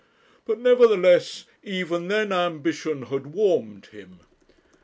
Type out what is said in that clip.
But, nevertheless, even then ambition had warmed him.